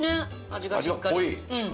味がしっかり。